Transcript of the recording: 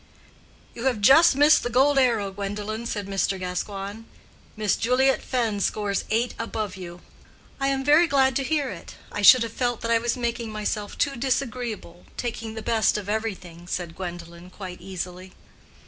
"You have just missed the gold arrow, Gwendolen," said Mr. Gascoigne. "Miss Juliet Fenn scores eight above you." "I am very glad to hear it. I should have felt that I was making myself too disagreeable—taking the best of everything," said Gwendolen, quite easily.